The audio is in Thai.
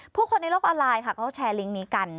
ผู้คนในโลกออนไลน์ค่ะเขาแชร์ลิงก์นี้กัน